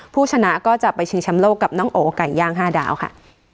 ผู้ชนะก็จะไปชิงแชมป์โลกกับน้องโอไก่ย่าง๕ดาวค่ะ